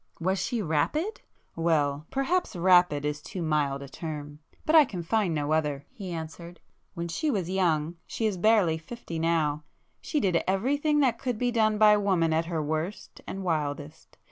"Was she 'rapid'?" "Well,—perhaps 'rapid' is too mild a term, but I can find no other;"—he answered—"When she was young,—she is barely fifty now,—she did everything that could be done by woman at her worst and wildest.